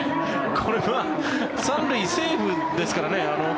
これは３塁、セーフですからね。